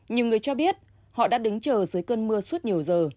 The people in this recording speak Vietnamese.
nhiều người cho biết họ đã đứng chờ dưới cơn mưa suốt nhiều giờ